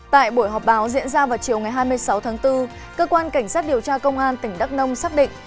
tại buổi họp báo diễn ra vào chiều ngày hai mươi sáu tháng bốn cơ quan cảnh sát điều tra công an tỉnh đắk nông xác định